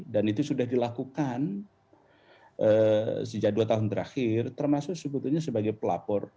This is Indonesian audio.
dan itu sudah dilakukan sejak dua tahun terakhir termasuk sebetulnya sebagai pelapor